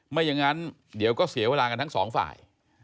ไม่อย่างนั้นเดี๋ยวก็เสียเวลากันทั้งสองฝ่าย